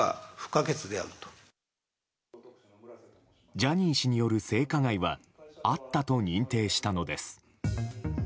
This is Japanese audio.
ジャニー氏による性加害はあったと認定したのです。